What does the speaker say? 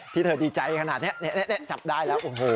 ที่เธอดีใจขนาดนี่จับได้แล้ว